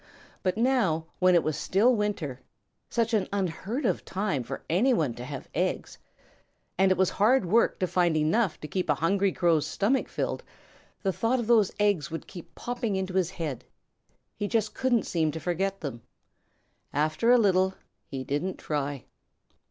But now, when it was still winter (such an unheard of time for any one to have eggs!), and it was hard work to find enough to keep a hungry Crow's stomach filled, the thought of those eggs would keep popping into his head. He just couldn't seem to forget them. After a little, he didn't try.